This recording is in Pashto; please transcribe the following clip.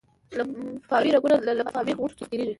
لمفاوي رګونه له لمفاوي غوټو څخه تیریږي.